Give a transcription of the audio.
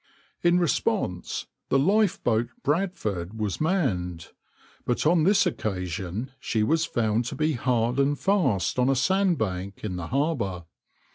In response the lifeboat {\itshape{Bradford}} was manned; but on this occasion she was found to be hard and fast on a sandbank in the harbour.